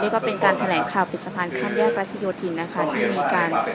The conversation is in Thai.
ก็เป็นการแถลงข่าวปิดสะพานข้ามแยกรัชโยธินนะคะที่มีการ